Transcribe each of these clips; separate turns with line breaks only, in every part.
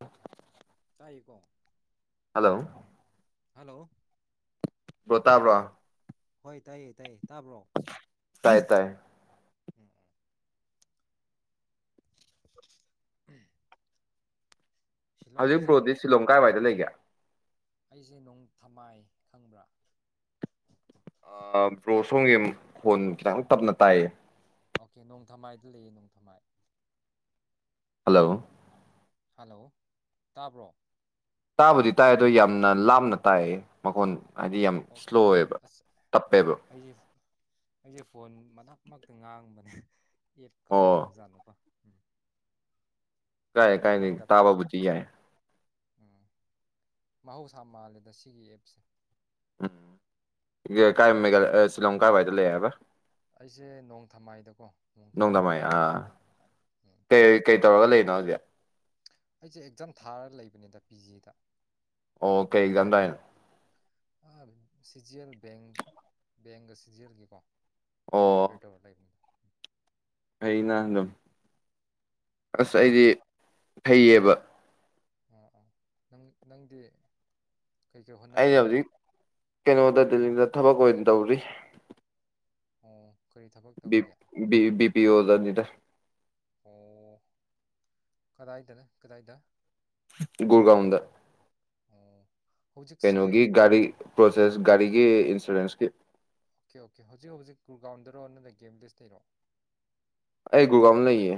ꯑ
ꯇꯥꯏꯀꯣ
hello
hello
Pratap ꯔꯣ
ꯍꯣꯏ ꯇꯥꯏꯌꯦ ꯇꯥꯏꯌꯦ ꯇꯥꯕ꯭ꯔꯣ
ꯇꯥꯏ ꯇꯥꯏ
ꯎꯝ
ꯍꯧꯖꯤꯛ
ꯁꯤꯂꯣꯡꯁꯦ
ꯕ꯭ꯔꯣꯗꯤ ꯁꯤꯂꯣꯡ ꯀꯥꯏꯋꯥꯏꯗ ꯂꯩꯒꯦ
ꯑꯩꯁꯦ ꯅꯣꯡꯊꯃꯥꯏ ꯈꯪꯕ꯭ꯔꯥ
ꯕ꯭ꯔꯣꯁꯣꯟꯒꯤ ꯈꯣꯟ ꯈꯤꯇꯪ ꯇꯞꯅ ꯇꯥꯏꯌꯦ
ꯑꯣꯀꯦ ꯅꯣꯡꯊꯃꯥꯏꯗ ꯂꯩꯌꯦ ꯅꯣꯡꯊꯝꯃꯥꯏ
ꯍꯜꯂꯣ
ꯍꯜꯂꯣ ꯇꯥꯕ꯭ꯔꯣ
ꯇꯥꯕꯨꯗꯤ ꯇꯥꯏ ꯑꯗꯣ ꯌꯥꯝꯅ ꯂꯥꯞꯅ ꯇꯥꯏ ꯃꯈꯣꯟ ꯍꯥꯏꯗꯤ ꯌꯥꯝ ꯏꯁ꯭ꯂꯣ
ꯑꯣꯀꯦ
ꯑꯣꯏꯕ
ꯑꯁ
ꯇꯞꯄꯦꯕ ꯌꯥꯝ
ꯑꯩꯁꯦ ꯑꯩꯁꯦ ꯐꯣꯟ ꯃꯅꯥꯛꯃꯛꯇ ꯉꯥꯡꯕꯅꯦ ꯑꯦꯞ ꯀꯃꯥꯏꯅ
ꯑꯣ
ꯇꯧꯕꯖꯥꯠꯅꯣꯀꯣ ꯎꯝ
ꯀꯥꯏ ꯀꯥꯏ
ꯀꯟꯗꯕ꯭ꯔꯥ
ꯇꯥꯕꯕꯨꯗꯤ
ꯎꯝ
ꯌꯥꯏ
ꯎꯝ ꯃꯍꯧꯁꯥ ꯃꯥꯜꯂꯦꯗ ꯁꯤꯒꯤ ꯑꯦꯞꯁꯦ
ꯎꯝ
ꯎꯝ
ꯀꯥꯏ ꯃꯦꯒ ꯁꯤ ꯂꯂꯪ ꯀꯥꯕꯥꯏꯗ ꯂꯩꯌꯦꯕ
ꯑꯩꯁꯦ ꯅꯣꯡ ꯊꯝꯃꯥꯏꯗꯀꯣ
ꯅꯣꯡꯗꯝꯃꯥꯏ ꯑꯥ
ꯎꯝ
ꯀꯩ ꯀꯩ ꯇꯧꯔꯒ ꯂꯩ ꯗ
ꯑꯩꯁꯦ ꯑꯦꯛꯖꯥꯝ ꯊꯥꯔꯒ ꯂꯩꯕꯅꯤꯗ ꯄꯤ ꯖꯤꯗ
ꯑꯣ ꯀꯩ ꯀꯗꯅ
ꯁꯤꯖꯤꯜꯏ ꯕꯦꯡ ꯕꯦꯡꯒ ꯁꯤꯖꯤꯜꯏꯒꯤꯀꯣ ꯑꯦꯛꯖꯝ ꯄꯔ꯭ꯤꯄꯦꯔ
ꯑ ꯅꯍꯪ ꯑꯗꯨꯝ ꯑꯁ
ꯍꯥ
ꯑꯩꯗꯤ ꯐꯩꯌꯦꯕ
ꯑ ꯑ ꯅꯪ ꯅꯪꯗꯤ ꯀꯩꯀꯩ ꯍꯣꯠꯅꯔꯤꯒꯦ
ꯑꯩꯩꯅꯕ ꯀꯩꯅꯣ ꯑꯣꯗ ꯗꯜꯂꯤꯡꯗ ꯊꯕꯛ ꯑꯣꯏꯅ ꯇꯧꯔꯤ
ꯑꯣꯝ
ꯕꯤ ꯄꯤ ꯑꯣꯖꯅꯤꯗ
ꯑꯣ ꯀꯗꯥꯏ ꯗꯥꯔꯦ ꯀꯗꯥ ꯏꯗ
ꯒꯣꯔ ꯒꯣꯏꯅ ꯗꯥ
ꯑꯣ ꯍꯧꯖꯤꯛꯁꯤ
ꯀꯩꯅꯣꯒꯤ ꯒꯥꯔꯤ ꯄ꯭ꯔꯣꯁꯦꯁ ꯒꯥꯔꯤꯒꯤ ꯏꯟꯁꯨꯔꯦꯟꯁꯀꯤ
ꯑꯣꯀꯦ ꯑꯣꯀꯦ ꯍꯧꯖꯤꯛ ꯍꯧꯖꯤꯛ ꯒ꯭ꯔꯥꯎꯟꯗꯔꯣ ꯅ꯭ꯔ ꯒꯦꯝꯗꯁ ꯂꯩꯔꯣ
ꯑꯩ ꯒꯨꯔꯒꯣꯏꯟꯗꯥ ꯂꯩꯌꯦ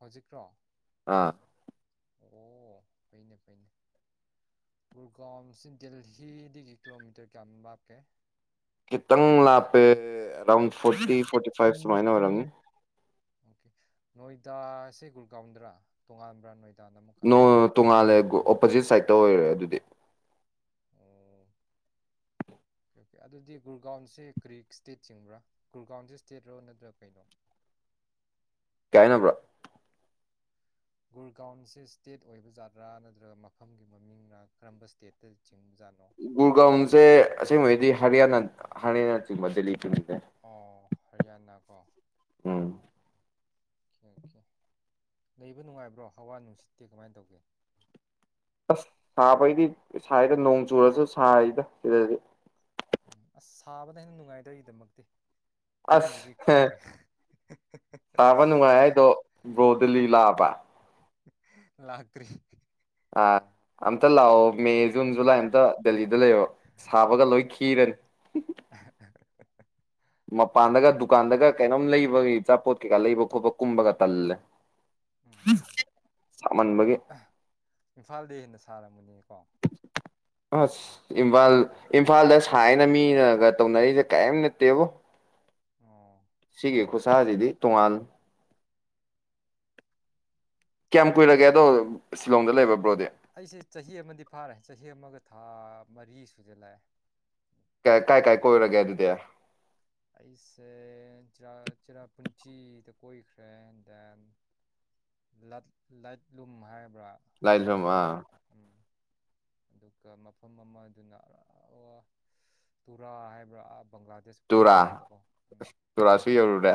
ꯍꯧꯖꯤꯛ꯭ꯔꯣ
ꯑꯥ
ꯑꯣ ꯐꯩꯅꯦ ꯐꯩꯅꯦ ꯒꯨꯔꯒꯥꯎꯝꯁꯤ ꯗꯦꯜꯍꯤꯗꯒꯤ ꯀꯤꯂꯣꯃꯤꯇꯔ ꯀꯌꯥꯝ ꯂꯥꯞꯀꯦ
ꯈꯤꯇꯡ ꯂꯥꯛꯞꯄꯦ ꯑꯦꯔꯥꯎꯟ ꯐꯣꯔꯇꯤ ꯐꯣꯔꯇꯤ ꯐꯥꯏꯚ ꯁꯨꯃꯥꯏꯅ ꯑꯣꯏꯔꯝꯅꯤ
ꯑꯣꯀꯦ ꯅꯣꯏꯗꯥꯁꯦ ꯒꯨꯔꯒ꯭ꯔꯥꯎꯟꯗ꯭ꯔꯥ ꯇꯣꯉꯥꯟꯕ꯭ꯔꯥ ꯅꯣꯏ
ꯅꯣ ꯇꯨꯡꯉꯂꯦ ꯑꯣꯄꯣꯖꯤꯠ ꯁꯥꯏꯠ ꯇ ꯑꯣꯏꯔꯦ ꯑꯗꯨꯗꯤ
ꯑꯣ ꯑꯣꯀꯦ ꯑꯣꯀꯦ ꯑꯗꯨꯗꯤ ꯒꯨꯔꯒꯥꯎꯟꯁꯦ ꯀꯔꯤ ꯏꯁꯇꯦꯠ ꯆꯤꯡꯕ꯭ꯔꯥ ꯒꯨꯔꯒꯥꯎꯟꯁꯦ ꯏꯁꯇꯦꯠꯔꯣ ꯅꯠꯇ꯭ꯔꯥ ꯀꯩꯅꯣ
ꯀꯥꯏ ꯍꯥꯏꯅꯣ ꯕ꯭ꯔꯥ
ꯒꯨꯔꯒꯥꯎꯟꯁꯦ ꯏꯁꯇꯦꯠ ꯑꯣꯏꯕ ꯖꯥꯗ꯭ꯔꯥ ꯅꯠꯇ꯭ꯔꯒ ꯃꯐꯝꯒꯤ ꯃꯃꯤꯡꯅ ꯀꯔꯝꯕ ꯏꯁꯇꯦꯠꯇ ꯆꯤꯡꯕꯖꯥꯠꯅꯣ
ꯒꯨꯔ ꯒꯣꯎꯟꯁꯦ ꯑꯁꯦꯡꯕꯩꯗꯤ [unintelligible]
ꯑꯣ ꯍꯔꯤꯌꯥꯅꯥ ꯀꯣ
ꯎꯝ
ꯑꯣꯀꯦ ꯑꯣꯀꯦ ꯂꯩꯕ ꯅꯨꯡꯉꯥꯏꯕ꯭ꯔꯣ ꯍꯋꯥ ꯅꯨꯡꯁꯤꯠꯇꯦ ꯀꯃꯥꯏꯅ ꯇꯧꯒꯦ
ꯑꯁ ꯁꯥꯕꯩꯗꯤ ꯁꯥꯏꯗ ꯅꯣꯡ ꯆꯨꯔꯁꯨ ꯁꯥꯏꯗ ꯁꯤꯕꯥ
ꯎ ꯑꯁ ꯁꯥꯕꯅꯥ ꯍꯦꯟꯅ ꯅꯨꯡꯉꯥꯏꯗꯔ ꯗꯃꯛꯇꯤ
ꯑꯁ ꯄꯥꯕ ꯅꯨꯡꯉꯥꯏ ꯍꯥꯏꯗꯣ ꯒꯣꯕꯤꯂꯤꯂꯥꯕꯥ
ꯂꯥꯛꯇꯔꯤ
ꯑꯥ ꯑꯝꯇ ꯂꯥꯛꯑꯣ ꯃꯦ ꯖꯨꯟ ꯖꯨꯂꯥꯏ ꯑꯃꯝꯇ ꯗꯦꯂꯤꯗ ꯂꯩꯌꯣ ꯁꯥꯕꯒ ꯂꯣꯏ ꯈꯤꯔꯅꯤ
[inaudible]
ꯃꯄꯥꯟꯗꯒ ꯗꯨꯀꯥꯟꯗꯒ ꯀꯩꯅꯣꯝ ꯂꯩꯕꯒꯤ ꯑꯆꯥꯄꯣꯠ ꯀꯩꯀꯥ ꯂꯩꯕ ꯈꯣꯠꯄ ꯀꯨꯝꯕꯒ ꯇꯜꯂꯦ ꯁꯥꯃꯟꯕꯒꯤ
ꯏꯝꯐꯥꯜꯗꯦ ꯍꯦꯅ ꯊꯥꯔꯃꯒꯅꯤ ꯏꯇꯎ
ꯑꯁ ꯏꯝꯐꯥꯜ ꯏꯝꯐꯥꯜꯗ ꯁꯥꯏꯅ ꯃꯤꯅꯒ ꯇꯧꯅꯔꯤꯁꯦ ꯛꯝ ꯅꯠꯇꯦꯕꯣ
ꯑꯣ
ꯁꯤꯒꯤ ꯈꯨꯁꯥꯁꯤꯗꯤ ꯇꯣꯉꯥꯥꯟ ꯀꯌꯥꯝ ꯀꯨꯏꯔꯒꯦ ꯑꯗꯣ ꯁꯤꯂꯣꯡꯗ ꯂꯩꯕ ꯕ꯭ꯔꯣꯗꯤ
ꯑꯩꯁꯦ ꯆꯍꯤ ꯑꯃꯗꯤ ꯐꯥꯔꯦ ꯆꯍꯤ ꯑꯃꯒ ꯊꯥ ꯃꯔꯤ ꯁꯨꯖꯜ ꯂꯥꯛꯑꯦ
ꯀꯥꯏ ꯀꯥꯏ ꯀꯣꯏꯔꯒꯦ ꯑꯗꯨꯗꯤ
ꯑꯩꯁꯦ ꯆꯔꯥ ꯄꯨꯨꯟꯁꯤꯗ ꯀꯣꯏꯈ꯭ꯔꯦ ꯗꯦꯟ ꯂ ꯂꯠꯂꯨ ꯍꯥꯏ ꯕꯔꯥ
ꯂꯥꯏ ꯂꯝ
ꯑꯗꯨꯗꯁꯨ
ꯑꯥ
ꯎꯝ ꯑꯗꯨꯒ ꯃꯐꯝ ꯑꯃꯗꯨꯅ ꯇꯨꯔꯥ ꯍꯥꯏꯕ꯭ꯔꯥ ꯕꯪꯒ꯭ꯂꯥꯗꯦꯁ ꯕꯣꯔꯗꯔ
ꯇꯨꯔꯥ
ꯁꯥꯏꯠꯇꯀꯣ ꯎꯝ
ꯇꯨꯔꯥꯁꯨ ꯌꯧꯔꯨꯔꯦ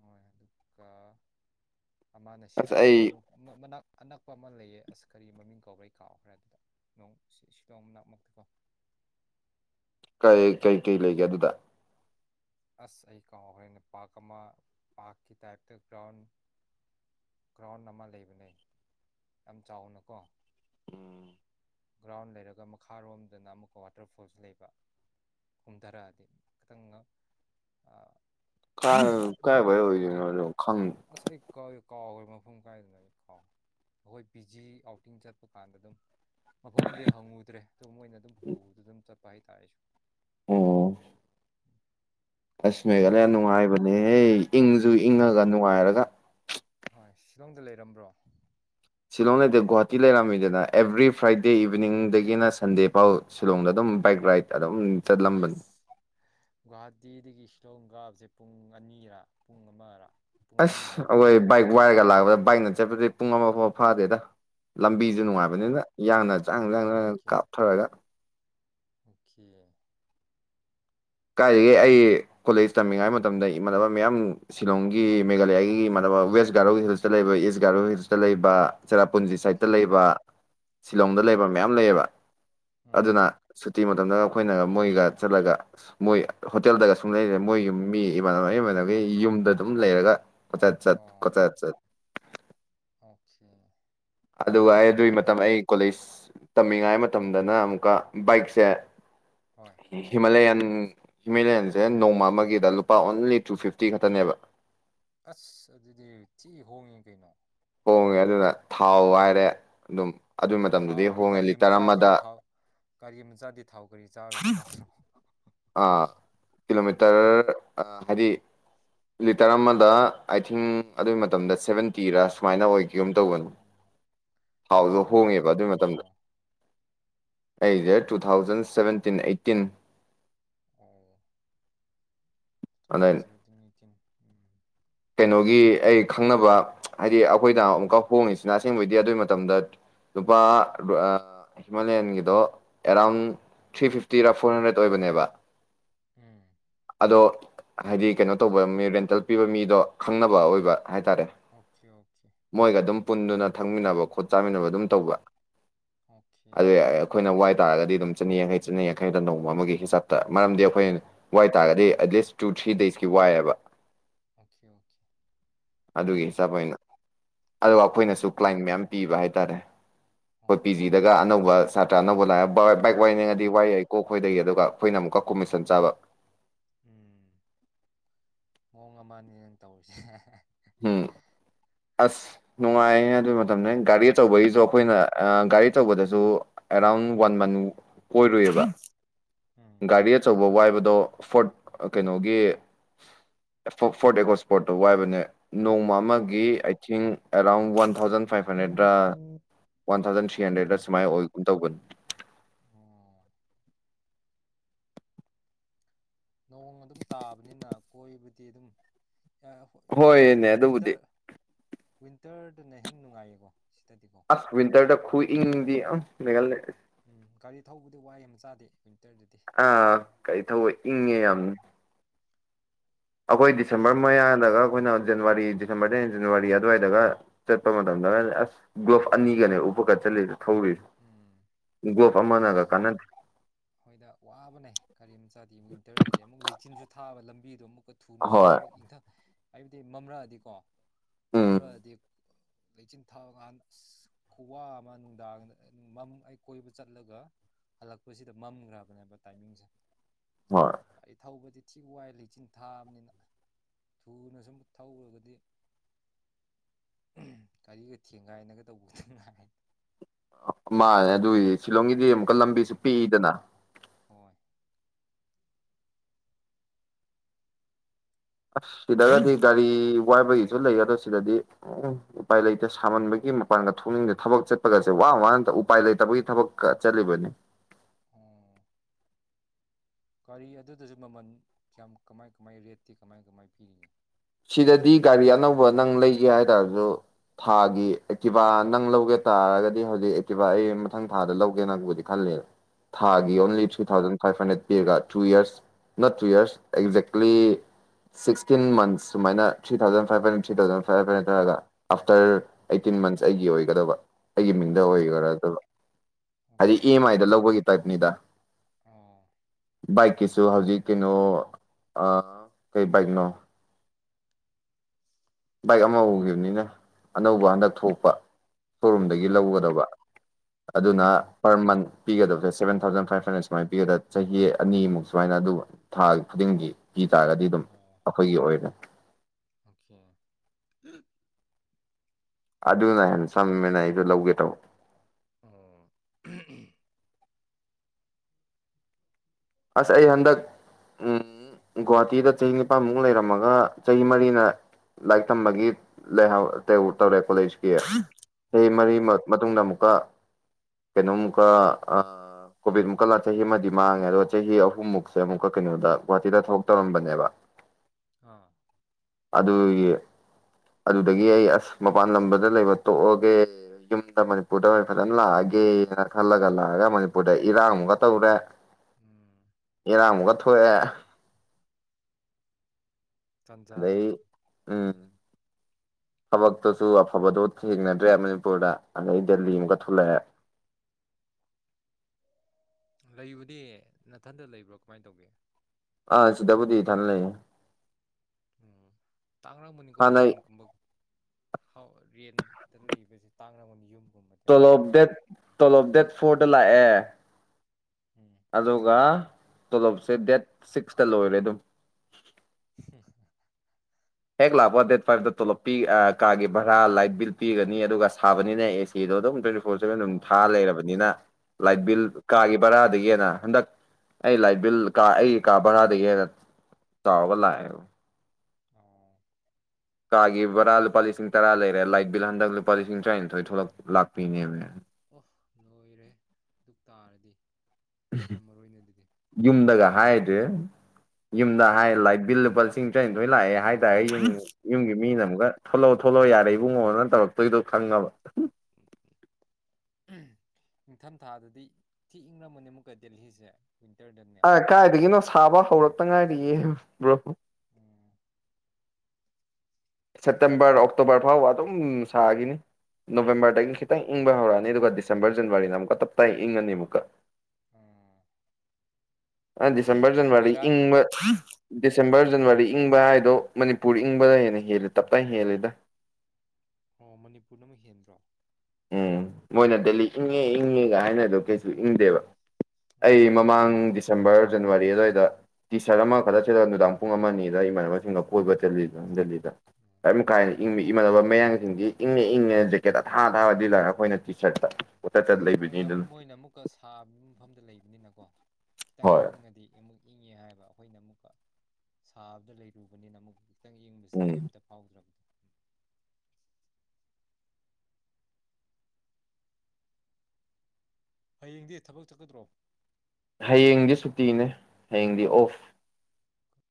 ꯍꯣꯏ ꯑꯗꯨꯀ ꯃꯥꯅ ꯁꯤ
ꯑꯁ ꯑꯩ
ꯑꯅꯛꯄ ꯃꯅꯥꯛ ꯑꯅꯛꯄ ꯑꯃ ꯂꯩꯑ ꯑꯁ ꯀꯔꯤ ꯃꯃꯤꯡ ꯀꯧꯔꯦ ꯀꯥꯎꯈ꯭ꯔꯦ ꯑꯗꯨꯗ ꯅꯣꯡ ꯁꯤ ꯁꯤꯗꯧ ꯅꯛꯃꯛꯇꯦꯀꯣ
ꯀꯩ ꯀꯩ ꯀꯩ ꯂꯩꯒꯦ ꯑꯗꯨꯗ
ꯑꯁ ꯑꯩ ꯀꯥꯎ ꯍꯣꯔꯦꯅ ꯄꯥꯔ ꯑꯃ ꯄꯥꯔꯛꯀꯤ ꯇꯥꯏꯞꯇ ꯒ꯭ꯔꯥꯎꯟ ꯒ꯭ꯔꯥꯎꯟ ꯑꯃ ꯂꯩꯕꯅꯦ ꯌꯥꯝ ꯆꯥꯎꯅꯀꯣ ꯒ꯭ꯔꯥꯎꯟ ꯂꯩꯔꯒ ꯃꯈꯥꯔꯣꯝꯗꯅ ꯑꯃꯨꯛꯀ ꯋꯥꯇꯔꯐꯣꯜꯁ ꯂꯩꯕ ꯀꯨꯝꯊꯔꯛꯑꯗꯤ ꯈꯤꯇꯪ ꯑꯥ
ꯀ ꯀꯥꯏꯚꯥꯏ ꯑꯣꯏꯗ ꯈꯪ
ꯀꯥꯎꯈ꯭ꯔꯦ ꯃꯐꯝ ꯀꯥꯏꯗꯅꯣ ꯑꯩ ꯀꯥꯎ ꯑꯩꯈꯣꯏ ꯄꯤ ꯖꯤ ꯑꯥꯎꯇꯤꯡ ꯆꯠꯄ ꯀꯥꯟꯗ ꯑꯗꯨꯝ ꯃꯐꯝꯗꯤ ꯍꯪꯉꯨꯗ꯭ꯔꯦ ꯑꯗꯨꯝ ꯃꯣꯏꯅ ꯑꯗꯨꯝ ꯄꯨꯗ ꯑꯗꯨꯝ ꯆꯠꯄ ꯄꯍꯤ ꯇꯑ
ꯑꯣꯝ ꯑꯁ
ꯅꯪꯁꯨ
ꯃꯦꯘꯂꯌꯥ
ꯁꯤꯂꯣꯡ
ꯅꯨꯡꯉꯥꯏꯕꯅꯦꯍꯦ ꯏꯪꯁꯨ ꯏꯪꯉꯒ ꯅꯨꯡꯉꯥꯏꯔꯒ
ꯍꯣꯏ ꯁꯤꯂꯣꯡꯗ ꯂꯩꯔꯝꯕ꯭ꯔꯣ
ꯁꯤꯂꯣꯡ ꯂꯩꯗꯤ ꯒꯨꯍꯥꯇꯤ ꯂꯩꯔꯝꯃꯤꯗꯅ ꯑꯦꯕ꯭ꯔꯤ ꯐ꯭ꯔꯥꯏꯗꯦ ꯏꯚꯤꯅꯤꯡꯗꯒꯤꯅ ꯁꯟꯗꯦ ꯐꯥꯎ ꯁꯤꯂꯣꯡꯗ ꯑꯗꯨꯝ ꯕꯥꯏꯛ ꯔꯥꯏꯠ ꯑꯗꯨꯝ ꯆꯠꯂꯝꯕꯅꯤ
ꯑꯁ ꯒꯨꯍꯥꯇꯤꯗꯒꯤ ꯁꯤꯂꯣꯡ ꯀꯥꯕꯁꯦ ꯄꯨꯡ ꯑꯅꯤꯔ ꯄꯨꯡ ꯑꯃꯔ ꯄꯨꯡ ꯑꯅꯤ
ꯑꯁ
ꯂꯧ ꯃꯥꯜꯂꯦ
ꯑꯩꯈꯏꯛ ꯋꯥꯏꯔꯒ ꯂꯥꯛꯏ ꯅꯠꯇ ꯆꯠꯄꯗꯤ ꯄꯨꯡ ꯑꯃ ꯐꯥꯎꯕ ꯐꯥꯗꯦꯗ ꯂꯝꯕꯤꯁꯦ
ꯑꯣ
ꯅꯨꯡꯉꯥꯏꯕꯅꯤꯅ ꯌꯥꯡꯅ ꯆꯥꯡꯅ
ꯑꯣꯀꯦ
ꯆꯪꯅ
ꯑꯣꯀꯦ
ꯀꯥꯞꯊꯔꯒ
ꯑꯣꯀꯦ
ꯀꯥꯏꯗꯒꯤꯩ ꯑꯩ ꯀꯣꯂꯦꯖ ꯇꯝꯃꯤꯉꯩ ꯃꯇꯝꯗ ꯏꯃꯥꯟꯅꯕ ꯃꯌꯥꯝ ꯁꯤꯂꯣꯡꯒꯤ ꯃꯦꯘꯂꯌꯥꯒꯤ ꯏꯃꯥꯟꯅꯕ ꯋꯦꯁ ꯒꯥꯥꯏꯔꯣ ꯍꯤꯜꯁꯇ ꯂꯩꯕ ꯏꯁ ꯒꯥꯥꯏꯔꯣ ꯍꯤꯜꯁꯇ ꯂꯩꯕꯔ ꯄꯨꯟꯖꯤ ꯁꯥꯏꯗꯠꯇ
ꯑꯣꯀꯦ ꯑꯣꯀꯦ
ꯂꯩꯕ
ꯑꯣꯀꯦ
ꯁꯤꯂꯣꯡꯗ ꯂꯩꯕ
ꯑꯣꯀꯦ
ꯃꯌꯥꯝ ꯂꯩꯌꯦꯕ
ꯎꯝ
ꯑꯗꯨꯅ ꯁꯇꯤ ꯃꯇꯝꯗ ꯑꯩꯈꯣꯏꯅ ꯃꯣꯏꯒ ꯆꯠꯂꯒ ꯃꯣꯏ ꯍꯣꯇꯦꯜꯗꯒ ꯁꯨꯝ ꯂꯩꯔꯤꯦ ꯃꯣꯏꯒꯤ ꯃꯤ ꯏꯃꯥꯟꯅꯕ ꯏꯃꯥꯟꯅꯕꯒꯤ ꯌꯨꯝꯗ ꯑꯗꯨꯝ ꯂꯩꯔꯒ ꯀꯊ ꯆꯠ ꯆꯠ
ꯑꯣ
ꯀꯊ ꯆꯠ ꯆꯠ
ꯑ
ꯑꯗꯨ ꯑꯩ ꯑꯗꯨꯒꯤ ꯃꯇꯝ ꯑꯩ ꯀꯣꯂꯦꯖ ꯇꯝꯃꯤꯉꯥꯏ ꯃꯇꯝꯗꯅ ꯑꯃꯨꯛꯀ ꯕꯥꯏꯛꯁꯦ
ꯍꯣꯏ
ꯍꯤꯃꯂꯌꯥꯟ ꯎ ꯍꯤꯃꯥꯂꯌꯥꯟꯁꯦ ꯅꯣꯡꯃ ꯑꯃꯒꯤꯗ ꯂꯨꯄꯥ ꯑꯣꯟꯂꯤ ꯇꯨ ꯐꯤꯐꯇꯤ ꯈꯛꯇꯅꯦꯕ
ꯑꯁ ꯑꯗꯨꯗꯤ ꯊꯤ ꯍꯣꯡꯉꯤ ꯀꯩꯅꯣ
ꯍꯣꯡꯉꯦ ꯑꯗꯨꯅ ꯊꯥꯎ ꯋꯥꯏꯔꯦ ꯑꯗꯨꯝ ꯑꯗꯨꯏ ꯃꯇꯝꯗꯨꯗꯤ
ꯊꯥꯎꯗꯤ
ꯍꯣꯡꯉꯦ
ꯒꯥꯔꯤ
ꯂꯤꯇꯔ
ꯃꯆꯥꯗꯤ
ꯑꯃꯗ
ꯊꯥꯎ ꯒꯥꯔꯤ ꯃꯆꯥꯗꯤ ꯊꯥꯎ ꯒꯥꯔꯤ ꯆꯥꯔꯨꯅꯤ ꯅꯠꯇ꯭ꯔꯣ
ꯑꯥ
ꯎꯝ
ꯀꯤꯂꯣꯃꯤꯇꯔ ꯍꯥꯏꯗꯤ ꯂꯤꯇꯔ ꯑꯃꯗ ꯑꯥꯏ ꯊꯤꯡ ꯑꯗꯨꯒꯤ ꯃꯇꯝꯗ ꯁꯚꯦꯟꯇꯤꯔꯥ ꯁꯨꯃꯥꯏꯅ ꯑꯣꯏꯒꯒꯨꯝ ꯇꯒꯅꯨ
ꯎꯝ ꯇꯨ
ꯍꯥꯎꯁꯨ
ꯊꯥꯎꯖꯟ
ꯍꯣꯡꯉꯦꯕ
ꯀꯌꯥꯗꯅꯣ
ꯑꯗꯨꯒꯤ ꯃꯇꯝꯗ
ꯅꯪꯒꯤꯁꯤꯕꯣ
ꯑꯩꯁꯦ two thousand seventeen eighteen
uh two
ꯑꯗ
ꯊꯥꯎꯖꯟ ꯁꯚꯦꯟꯇꯤꯟ ꯑꯩꯠꯇꯤꯟ
ꯀꯩꯅꯣꯒꯤ ꯑꯩ ꯈꯪꯅꯕ ꯍꯥꯏꯗꯤ ꯑꯩꯈꯣꯏꯅ ꯑꯃꯨꯛꯀ ꯍꯣꯡꯉꯤꯁꯤꯅ ꯑꯁꯦꯡꯕꯩꯗꯤ ꯑꯗꯨꯒꯤ ꯃꯇꯝꯗ ꯂꯨꯄꯥ ꯍꯤꯃꯥꯂꯌꯥꯟꯒꯤꯗꯣ ꯑꯦꯔꯥꯎꯟ ꯊ꯭ꯔꯤ ꯐꯤꯐꯇꯤꯔ ꯐꯣꯔ ꯍꯟꯗ꯭ꯔꯦꯇꯥ ꯑꯣꯏꯕꯅꯦꯕ
ꯎꯝ
ꯑꯗꯣ ꯍꯥꯏꯗꯤ ꯀꯩꯅꯣ ꯇꯧꯕ ꯃꯤ ꯔꯦꯟꯇꯦꯜ ꯄꯤꯕ ꯃꯤꯗꯣ ꯈꯪꯅꯕ ꯑꯣꯏꯕ ꯍꯥꯏꯇꯥꯔꯦ
ꯑꯣꯀꯦ ꯑꯣꯀꯦ
ꯃꯣꯏꯒ ꯑꯗꯨꯝ ꯄꯨꯟꯗꯨꯅ ꯊꯛꯃꯤꯟꯅꯕ ꯈꯣꯠ ꯆꯥꯃꯤꯟꯅꯕ ꯑꯗꯨꯝ
ꯎꯝ
ꯇꯧꯕ
ꯑꯣꯀꯦ
ꯑꯗꯩ ꯑꯩꯈꯣꯏꯅ ꯋꯥꯏ ꯇꯥꯔꯒꯗꯤ ꯑꯗꯨꯝ ꯆꯠꯅꯤ ꯌꯥꯡꯈꯩ ꯆꯠꯅꯤ ꯌꯥꯡꯈꯩꯗ ꯅꯣꯡꯃꯥ ꯑꯃꯒꯤ ꯍꯤꯁꯥꯞꯇ ꯃꯔꯝꯗꯤ ꯑꯩꯈꯣꯏ
ꯑꯣ
ꯋꯥꯏꯇꯥꯥꯔꯗꯤ ꯑꯦꯠꯂꯤꯁ ꯇꯨ ꯊ꯭ꯔꯤ ꯗꯦꯁꯀꯤ ꯋꯥꯏꯑꯦꯕ
ꯑꯣꯀꯦ ꯑꯣꯀꯦ
ꯑꯗꯨꯒꯤ ꯆꯄꯄꯥꯅꯤꯅꯥ ꯑꯗꯨꯗ
ꯎꯝ
ꯑꯩꯈꯣꯏꯅꯁꯨ ꯀ꯭ꯂꯥꯏꯟ ꯃꯌꯥꯝ ꯄꯤꯕ ꯍꯥꯏꯇꯥꯔꯦ ꯑꯣ ꯄꯤ ꯖꯤꯗꯒ ꯑꯅꯧꯕꯁ ꯁꯥꯇꯔ꯭ ꯑꯅꯧꯕꯥ ꯂꯥꯛꯑꯥ ꯕꯥꯏꯛ
ꯌꯥꯏ ꯌꯥꯏ
ꯋꯥꯏꯅꯤꯡꯉꯗꯤ
ꯌꯥꯏ
ꯋꯥꯏ ꯌꯥꯏꯀꯣ ꯑꯩꯈꯣꯏꯗꯒꯤ ꯑꯗꯨꯝ ꯑꯩꯈꯣꯏꯅ ꯑꯃꯨꯛꯀ ꯀꯣꯃꯦꯁꯟ ꯆꯥꯕ
ꯍꯣꯡ ꯑꯃꯅꯦ ꯇꯧꯔꯤꯁꯦ
ꯎꯝ ꯑꯁ ꯅꯨꯡꯉꯥꯏꯕꯥꯅꯤ ꯑꯗꯨꯏ ꯃꯇꯝꯗꯣ ꯒꯥꯔꯤ ꯑꯆꯧꯕꯒꯤꯁꯨ
ꯎꯝ
ꯑꯩꯈꯣꯏꯅ ꯒꯥꯔꯤ ꯑꯆꯧꯕꯗꯁꯨ ꯑꯦꯔꯥꯎꯟ ꯋꯥꯟ ꯃꯟ ꯀꯣꯏꯔꯨꯏꯑꯕ
ꯎꯝ
ꯒꯥꯔꯤ ꯑꯆꯧꯕ ꯋꯥꯏꯕ ꯑꯗꯣ ꯐꯣꯔꯠ ꯀꯩꯅꯣꯒꯤ ꯐꯣꯔꯠ ꯑꯦꯀꯣ ꯏꯁꯄꯣꯔꯠꯇꯣ ꯋꯥꯏꯕꯅꯦ ꯅꯣꯡꯃ ꯑꯃꯒꯤ
ꯑꯣ
ꯑꯥꯏꯊꯤꯡ around one thousand five hundred one thousand three hundred
ꯑꯣ
ꯁꯨꯃꯥꯏꯅ ꯑꯣꯏꯒꯨꯝ ꯇꯧꯕꯅꯤ
ꯑꯣ ꯅꯣꯡ ꯑꯗꯨꯝ ꯇꯥꯕꯅꯤꯅ ꯀꯣꯏꯕꯗꯤ ꯑꯗꯨꯝ ꯏꯪꯊꯝꯇꯥ
ꯍꯣꯏꯅꯦ ꯑꯗꯨꯕꯨꯗꯤ
ꯋꯤꯟꯇꯔ ꯋꯤꯟꯇꯔꯗꯅ ꯍꯦꯟꯅ ꯅꯨꯡꯉꯥꯏꯌꯦꯀꯣ ꯁꯤꯗ
ꯑꯁ ꯋꯟꯇꯔꯗ ꯈꯨꯨ ꯏꯪꯗꯤ ꯑ ꯂꯩꯔꯝꯗꯦ
ꯎꯝ ꯒꯥꯔꯤ ꯊꯧꯕꯗꯤ ꯋꯥꯏ ꯌꯥꯝꯅꯥ ꯆꯥꯗꯦ ꯋꯤꯟꯇꯔꯗꯗꯤ
ꯑꯥ ꯀꯩ ꯊꯧꯕ ꯏꯪꯉꯦ ꯌꯥꯝꯅ ꯑꯩꯈꯣꯏ ꯗꯤꯁꯦꯝꯕꯔ ꯃꯌꯥꯗꯒ ꯑꯩꯈꯣꯏꯅ ꯖꯅꯋꯥꯔꯤ ꯗꯤꯁꯦꯝꯕꯔꯗ ꯖꯅꯋꯥꯔꯤ ꯑꯗꯨꯋꯥꯏꯗꯒ ꯆꯠꯄ ꯃꯇꯝꯗꯒ ꯑꯁ ꯒ꯭ꯂꯣꯞ ꯑꯅꯤꯒꯅꯦ ꯎꯄꯀ ꯆꯠꯂꯨꯏꯗꯣ ꯊꯧꯔꯨꯏꯗꯣ
ꯎꯝ
ꯒꯂꯣꯞ ꯑꯃ ꯅꯒ ꯀꯅꯥꯗꯦ
ꯍꯣꯏꯗ ꯋꯥꯕꯅꯦ ꯀꯔꯤꯝꯆꯥꯗꯤ ꯋꯤꯟꯇꯔꯗꯗꯤ ꯑꯃꯨꯛ ꯂꯩꯆꯤꯟꯖꯨ ꯊꯥ ꯊꯥꯕ ꯂꯝꯕꯤꯗꯣ ꯑꯃꯨꯛ ꯈꯨꯠ ꯊꯨꯅꯁꯨ
ꯍꯣꯏ
ꯇꯧꯕ ꯏꯪꯊ ꯍꯥꯏꯕꯗꯤ ꯃꯝꯔꯥꯑꯗꯤꯀꯣ
ꯎꯝ
ꯃꯝꯔꯑꯗꯤ ꯂꯩꯆꯤꯟ ꯊꯥꯟ ꯑꯁ ꯈꯨꯋꯥ ꯑꯃ ꯅꯨꯡꯗꯥꯡ ꯃꯝ ꯑꯩ ꯀꯣꯏꯕ ꯆꯠꯂꯒ ꯍꯜꯂꯛꯄꯁꯤ ꯃꯝꯈ꯭ꯔꯕꯅꯦꯕ ꯇꯥꯏꯃꯤꯡꯁꯦ
ꯍꯣꯏ
ꯒꯥꯔꯤ ꯊꯧꯕꯗꯤ ꯍꯧꯖꯤꯛ ꯋꯥꯏ ꯂꯩꯆꯤꯟ ꯊꯥꯕꯅꯤꯅ ꯊꯨꯅ ꯁꯨꯝ ꯊꯧꯔꯒꯗꯤ ꯒꯥꯔꯤꯒ ꯊꯦꯡꯒꯥꯏꯅꯒ ꯇꯧꯕꯗꯨ ꯉꯥꯏ
ꯃꯥ ꯑꯗꯨꯏ ꯂꯤꯂꯣꯡꯒꯤꯗꯤ ꯑꯃꯨꯛꯀ
ꯎꯝ
ꯂꯝꯕꯤꯁꯨ ꯄꯤꯛꯏꯗꯅ
ꯍꯣꯏ
ꯑꯁ ꯁꯤꯗꯒꯗꯤ ꯒꯥꯔꯤ ꯋꯥꯏꯕꯒꯤꯁꯨ ꯂꯩ ꯑꯗꯣ ꯁꯤꯗꯗꯤ ꯎꯝ ꯎꯄꯥꯏ ꯂꯩꯇꯦ ꯁꯥꯃꯟꯕꯒꯤ ꯃꯄꯥꯟꯒ ꯊꯣꯛꯅꯤꯡꯗꯦ ꯊꯕꯛ ꯆꯠꯄꯒꯁꯦ ꯋꯥ ꯋꯥꯅ ꯎꯄꯥꯏ ꯂꯩꯇꯕꯒꯤ ꯊꯕꯛꯀ ꯆꯠꯂꯤꯕꯅꯤ
ꯑꯣ ꯒꯥꯔꯤ ꯑꯗꯨꯗꯁꯨ ꯃꯃꯜ ꯀꯌꯥꯝ ꯀꯃꯥꯏ ꯀꯃꯥꯏ ꯔꯦꯠꯇꯤ ꯀꯃꯥꯏ ꯀꯃꯥꯏ ꯄꯤꯔꯤꯅꯤ
ꯁꯤꯗꯗꯤ ꯒꯥꯔꯤ ꯑꯅꯧꯕ ꯅꯪ ꯂꯩꯒꯦ ꯍꯥꯏꯇꯥꯔꯁꯨ ꯊꯥꯒꯤ ꯑꯦꯛꯇꯤꯚꯥ ꯅꯪ ꯂꯧꯒꯦ ꯇꯥꯔꯒꯗꯤ ꯍꯧꯖꯤꯛ ꯑꯦꯛꯇꯤꯚ ꯑꯩ ꯃꯊꯪ ꯊꯥꯗ ꯂꯧꯒꯦꯅꯪꯕꯨꯗꯤ ꯈꯂꯕ ꯊꯥꯒꯤ ꯑꯣꯟꯂꯤ
ꯑꯣ
ꯊ꯭ꯔꯤ ꯊꯥꯎꯖꯟ ꯐꯥꯏꯚ ꯍꯟꯗ꯭ꯔꯦꯠ ꯄꯤꯔꯒ two years not two years exactly sixteen months ꯁꯨꯃꯥꯏꯅ three thousand five hundred three thousand five hundred ꯍꯥꯏꯔꯒ ꯑꯥꯐꯇꯔ ꯑꯩꯠꯇꯤꯟ ꯃꯟꯁ ꯑꯩꯒꯤ ꯑꯣꯏꯒꯗꯕ ꯑꯩꯒꯤ ꯃꯤꯡꯗ
ꯑꯣ
ꯑꯣꯏꯒꯗꯕ ꯍꯥꯏꯗꯤ
ꯑꯣꯀꯦ
ꯏ ꯑꯦꯝ ꯑꯥꯏꯗ ꯂꯧꯕꯒꯤ ꯇꯥꯏꯞꯅꯤꯗ
ꯑꯣ
ꯕꯥꯏꯛꯀꯤꯁꯨ
ꯑꯗꯨ
ꯍꯧꯖꯤꯛ ꯀꯩꯅꯣ ꯑ ꯀꯩ ꯄꯏꯛ ꯅꯣ ꯕꯥꯏꯛ ꯑꯃ ꯎꯈꯤꯕꯅꯤꯅ ꯑꯅꯧꯕ ꯍꯟꯗꯛ ꯊꯣꯛꯄ ꯁꯣꯔꯨꯝꯗꯒꯤ
ꯑꯣ
ꯂꯧꯒꯗꯕ ꯑꯗꯨꯅ
ꯎꯝ
ꯄꯔ ꯃꯟ ꯄꯤꯒꯗꯕꯁꯦ ꯁꯚꯦꯟ ꯊꯥꯎꯖꯟ ꯐꯥꯏꯚ ꯍꯟꯗ꯭ꯔꯦꯗ ꯁꯨꯃꯥꯏꯅ ꯄꯤꯒꯗ꯭ꯔꯥ ꯆꯍꯤ ꯑꯅꯤꯃꯨꯛ ꯁꯨꯃꯥꯏꯅ ꯑꯗꯨꯝ ꯊꯥ ꯈꯨꯗꯤꯡꯒꯤ ꯄꯤ ꯇꯥꯔꯒꯗꯤ ꯑꯗꯨꯝ
ꯑꯣ
ꯑꯩꯈꯣꯏꯒꯤ ꯑꯣꯏꯔꯦ
ꯁꯣ
ꯑꯗꯨꯅ ꯍꯟ ꯁꯝꯃꯤꯅ ꯑꯩꯗꯣ ꯂꯧꯒꯦ ꯇꯧꯕ
ꯎꯝ
ꯑꯁ ꯑꯩ ꯍꯟꯗꯛ ꯒꯨꯍꯥꯇꯤꯗ ꯆꯍꯤ ꯅꯤꯄꯥꯜꯃꯨꯛ ꯂꯩꯔꯝꯃꯒ ꯆꯍꯤ ꯃꯔꯤꯅ ꯂꯥꯏꯔꯤꯛ ꯇꯝꯕꯒꯤ ꯇꯧꯔꯦ ꯀꯣꯂꯦꯖꯀꯤ ꯆꯍꯤ ꯃꯔꯤ
ꯎꯝ
ꯃꯇꯨꯡꯗ ꯑꯃꯨꯛꯀ ꯀꯩꯅꯣꯃꯨꯛꯀ ꯑ ꯀꯣꯕꯤꯃꯨꯛꯀ ꯆꯍꯤ ꯑꯃꯗꯤ ꯃꯥꯡꯉꯦ ꯑꯗ ꯆꯍꯤ ꯑꯍꯨꯝꯃꯨꯛꯁꯦ ꯑꯃꯨꯛꯀ ꯀꯩꯅꯣꯗ ꯒꯨꯍꯥꯇꯤꯗ ꯊꯕꯛ ꯇꯧꯔꯝꯕꯅꯦꯕ
ꯑꯥ
ꯑꯗꯨꯗ ꯑꯗꯨꯗꯒꯤ ꯑꯩ ꯑꯁ ꯃꯄꯥꯟ ꯂꯝꯕꯗ ꯂꯩꯕ ꯇꯣꯛꯑꯒꯦ ꯌꯨꯝꯗ ꯃꯅꯤꯄꯨꯔꯗ ꯍ ꯐꯖꯅ ꯂꯥꯛꯑꯒꯦꯅ ꯈꯜꯂꯒ ꯂꯥꯛꯑꯒ ꯃꯅꯤꯄꯨꯔꯗ ꯏꯔꯥꯡ ꯑꯃꯒ ꯇꯧꯔꯦ
ꯎꯝ
ꯏꯔꯥꯡꯃꯨꯛꯒ ꯊꯣꯛꯑꯦ ꯑꯗ
ꯇꯥꯟꯖꯥꯗꯣ
ꯎꯝ ꯊꯕꯛꯇꯨꯁꯨ ꯑꯐꯕꯗꯣ ꯊꯦꯡꯅꯗ꯭ꯔꯦ ꯃꯅꯤꯄꯨꯔꯗ ꯑꯗꯩ ꯗꯦꯜꯂꯤ ꯑꯃꯨꯛꯀ ꯊꯂꯛꯑꯦꯕ
ꯂꯩꯕꯨꯗꯤ ꯅꯊꯟꯗ ꯂꯩꯕ꯭ꯔꯣꯥ ꯀꯃꯥꯏꯅ ꯇꯧꯒꯦ
ꯑꯥ ꯁꯤꯤꯗꯥꯕꯨꯗꯤ ꯊꯅ ꯂꯩꯦ
ꯎꯝ ꯇꯥꯡꯔꯛꯕꯅꯤꯀꯣ
ꯍꯥꯟꯅꯩ
ꯔꯦꯟꯒꯨꯝꯕ ꯔꯦꯟꯗ ꯂꯩꯕꯁꯦ ꯇꯥꯡꯅꯕ ꯌꯨꯝ
ꯇꯣꯂꯣꯞꯗꯦꯠ ꯇꯣꯂꯣꯞ ꯗꯦꯠ ꯐꯣꯔꯗ ꯂꯥꯛꯑꯦ
ꯎꯝ
ꯑꯒ ꯂꯁꯦ ꯗꯦꯠ ꯁꯤꯛꯁꯇ ꯂꯣꯏꯔꯦ ꯑꯗꯨꯝ
ꯍꯝ
ꯍꯦꯛ ꯂꯥꯛꯄ ꯗꯦꯠ ꯐꯥꯏꯚꯇ ꯇꯣꯂꯞ ꯄꯤ ꯀꯥꯒꯤ ꯚꯔꯥ ꯂꯥꯏꯠ ꯕꯤꯜ ꯄꯤꯒꯅꯤ ꯑꯗꯨꯒ ꯁꯥꯕꯅꯤꯅ ꯑꯦꯁꯤꯗꯣ ꯑꯗꯨꯝ ꯇ꯭ꯋꯦꯟꯇꯤ ꯐꯣꯔ ꯁꯚꯦꯟ ꯅꯨꯃꯤꯠ
ꯑꯍꯣꯏ
ꯊꯥ ꯂꯩꯔꯕꯅꯤꯅ ꯂꯥꯏꯠ ꯕꯤꯜ
ꯎꯝ
ꯀꯥꯒꯤ ꯚꯔꯥꯗꯒꯤ ꯍꯦꯟꯅ ꯍꯟꯗꯛ ꯑꯩ ꯂꯥꯏꯠ ꯕꯤꯜ ꯀꯥ ꯑꯩꯒꯤ ꯀꯥ ꯚꯔꯥꯗꯒꯤ ꯍꯦꯟꯅ ꯆꯥꯎꯔꯒ ꯂꯥꯛꯑꯦꯕ
ꯑꯣ
ꯀꯥꯒꯤ ꯚꯔꯥ ꯂꯨꯄꯥ ꯂꯤꯁꯤꯡ ꯇꯔꯥ ꯂꯩꯔꯦ ꯂꯥꯏꯠ ꯕꯤꯜ ꯍꯟꯗꯛ ꯂꯨꯄꯥ ꯂꯤꯁꯤꯡ ꯇꯔꯥꯅꯤꯊꯣꯏ ꯊꯣꯛꯂꯛ ꯂꯥꯛꯄꯤꯅꯦꯃꯦ꯫
ꯂꯣꯏꯔꯦ ꯑꯗꯨ ꯇꯥꯔꯗꯤ꯫
ꯎꯝ
ꯉꯝꯃꯔꯣꯏꯅꯦ ꯑꯗꯨꯗꯤ
ꯌꯨꯝꯗꯒ ꯍꯥꯏꯗ꯭ꯔꯦ ꯌꯨꯝꯗ ꯍꯥꯏ ꯂꯥꯏ ꯕꯤꯜ ꯂꯨꯄꯥꯜꯁꯤꯡ ꯇ꯭ꯔꯥꯏꯟ ꯂꯣꯏ ꯂꯥꯛꯑꯦ ꯍꯥꯏꯇꯥꯔ ꯌꯨꯝ ꯌꯨꯝꯒꯤ ꯃꯤꯅ ꯑꯃꯨꯛꯀ ꯊꯣꯛꯣꯂꯛꯑꯣ ꯊꯣꯛꯂꯛꯑꯣ ꯌꯥꯔꯦ ꯏꯕꯨꯡꯉꯣ ꯅ ꯇꯧꯔꯛꯇꯣꯏꯗꯣ ꯈꯪꯉꯕ꯫
ꯅꯤꯡꯊꯝ ꯊꯥꯗꯗꯤ ꯊꯤ ꯏꯪꯔꯝꯒꯅꯤ ꯑꯃꯨꯛꯀ ꯗꯦꯜꯍꯤꯁꯦ꯫ ꯋꯤꯟꯇꯔꯗꯅꯦ
ꯑ ꯀꯥꯏꯗꯗꯒꯤꯅꯣ ꯁꯥꯕ ꯍꯧꯔꯛ꯫ ꯇ ꯉꯥꯏꯔꯤꯌꯦ ꯕ꯭ꯔꯣ꯫
ꯎꯝ꯫
ꯁꯦꯞꯇꯦꯝꯕꯔ ꯑꯣꯛꯇꯣꯕꯔ ꯐꯥꯎꯕ ꯑꯗꯨꯝ ꯁꯥꯈꯤꯅꯤ꯫ ꯅꯣꯕꯦꯝꯕꯔꯗꯒꯤ
ꯑꯣꯀꯦ
ꯈꯤꯇꯪ ꯏꯪꯕ ꯍꯧꯔꯛꯑꯅꯤ ꯑꯗꯨꯒ ꯗꯤꯁ ꯁꯦꯝꯕꯔ ꯖꯟꯋꯥꯔꯤꯅ ꯑ ꯃꯨꯛꯀ ꯇꯞ ꯇꯥꯏ ꯏꯪꯉꯅꯤ ꯑꯃꯛꯀ꯫
ꯎꯝ꯫
ꯑ ꯗꯤꯁꯝꯕ꯭ꯔ
ꯄꯨꯔꯥ
ꯖꯟꯋꯥꯔꯤ
ꯕꯦꯔꯥ
ꯏꯪꯕ꯫ ꯗꯤꯁꯦꯝꯕꯔ ꯖꯟꯋꯥꯔꯤ ꯏꯪꯕ ꯍꯥꯏꯗꯣ꯫ ꯃꯅꯤꯄꯨꯔ ꯏꯪꯕꯗꯩ ꯍꯦꯟꯅ ꯍꯦꯂꯦ ꯇꯞꯇꯥꯏ ꯍꯦꯜꯂꯦꯗ꯫
ꯑꯣ ꯃꯅꯤꯄꯨꯔꯅ ꯑꯃꯨꯛ ꯍꯦꯟꯕ꯭ꯔꯣ꯫
ꯎꯝ ꯃꯣꯏꯅ ꯗꯦꯜꯂꯤ ꯏꯪꯉꯦ ꯏꯪꯉꯦꯒ ꯍꯥꯏꯅꯗꯣ ꯀꯩꯁꯨ ꯏꯪꯗꯦꯕ ꯑꯩ
ꯎꯝ
ꯃꯃꯥꯡ ꯗꯤꯁꯦꯝꯕꯔ ꯖꯟꯋꯥꯔꯤ ꯑꯗꯨꯋꯥꯏꯗ ꯇꯤ ꯁꯥꯔꯠ ꯑꯃ ꯈꯛꯇ ꯁꯦꯠꯂ ꯅꯨꯗꯥꯡ ꯄꯨꯡ ꯑꯃ ꯑꯅꯤꯗ ꯏꯃꯥꯟꯅꯕꯁꯤꯡꯒ ꯀꯣꯏꯕ ꯆꯠꯂꯤꯗ ꯗꯦꯜꯂꯤꯗ
ꯎꯝ
ꯀꯔꯤꯝ ꯀꯥꯏꯅ ꯏꯪꯕ ꯏꯃꯥꯟꯅꯕ ꯃꯌꯥꯡꯁꯤꯡꯗꯤ ꯏꯪꯉꯦ ꯏꯪꯉꯦ ꯖꯦꯀꯦꯠ ꯑꯊꯥ ꯊꯥꯕ ꯂꯤꯠꯂ ꯑꯩꯈꯣꯏꯅ꯫ ꯇꯤ
ꯎꯝ
ꯁꯔꯠꯇ [unintelligible]
ꯃꯣꯏꯅ
ꯂꯩꯕꯅꯤꯗ ꯑꯗꯨꯝ꯫
ꯃꯣꯏꯅ ꯑꯃꯨꯛꯀ ꯁꯥꯕ ꯃꯐꯝꯗ ꯂꯩꯕꯅꯤꯅꯀꯣ꯫ ꯈꯤꯇꯪ ꯏꯪꯉꯗꯤ ꯑꯃꯨꯛ ꯏꯪꯉꯦ ꯍꯥꯏꯕ꯫ ꯑꯩꯈꯣꯏꯅ ꯑꯃꯨꯛꯀ ꯁꯥꯕꯗ ꯂꯩꯔꯨꯕꯅꯤꯅ ꯑꯃꯨꯛ꯫ ꯈꯤꯇꯪ ꯏꯪꯕꯁꯤꯗꯤ
ꯎꯝ
ꯀꯩꯝꯇ ꯐꯥꯎꯗ꯭ꯔꯕ꯫ ꯍꯌꯦꯡꯗꯤ ꯊꯕꯛ ꯆꯠꯀꯗ꯭ꯔꯣ꯫
ꯍꯌꯦꯡꯗꯤ ꯁꯨꯇꯤꯅꯦ ꯍꯌꯦꯡꯗꯤ ꯑꯣꯐ꯫